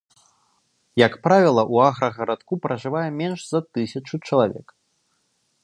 Як правіла, у аграгарадку пражывае менш за тысячу чалавек.